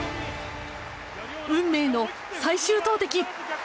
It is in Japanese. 運命の最終投てき。